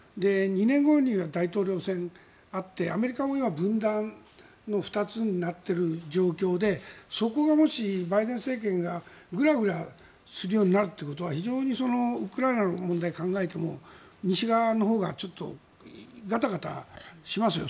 ２年後には大統領選があってアメリカも今、分断２つになっている状況でそこがもし、バイデン政権がグラグラするようになるということは非常にウクライナの問題を考えても西側のほうがちょっとガタガタしますよ。